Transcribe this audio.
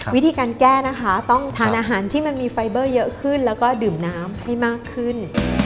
วิธีการแก้นะคะต้องทานอาหารที่มันมีไฟเบอร์เยอะขึ้นแล้วก็ดื่มน้ำให้มากขึ้น